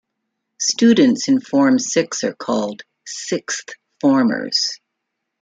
Students in Form Six are called sixth formers.